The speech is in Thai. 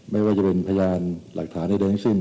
ไม่ว่าจะเป็นพยานหลักฐานใดทั้งสิ้น